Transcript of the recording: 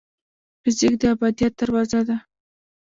فزیک د ابدیت دروازه ده.